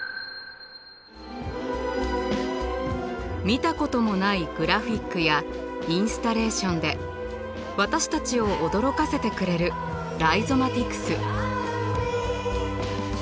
見たこともないグラフィックやインスタレーションで私たちを驚かせてくれるライゾマティクス。